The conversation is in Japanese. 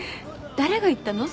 誰が言ったの？